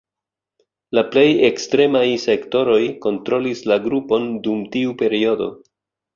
La plej ekstremaj sektoroj kontrolis la grupon dum tiu periodo.